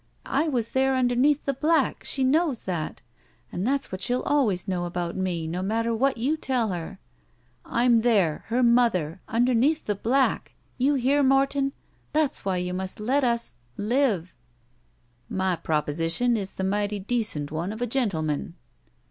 I was there under neath the bldck ! She knows that! And that's what she'll always know about me, no matter what you tell her. I'm there — ^her mother — underneath the black! You hear, Morton! That's why you must let us — ^Uve —" "My proposition is the mighty decent one of a gentleman."